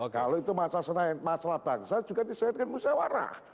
kalau itu masalah bangsa juga disesuaikan dengan musyawarah